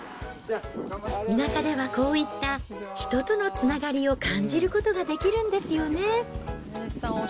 田舎ではこういった人とのつながりを感じることができるんですよね。